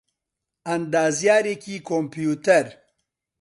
ئەندازیاریی کۆمپیوتەر